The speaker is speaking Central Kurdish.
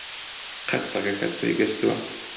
قەت سەگەکەت تۆی گەستووە؟